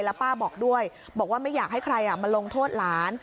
แล้วป้าบอกด้วยบอกว่าไม่อยากให้ใครมาลงโทษหลาน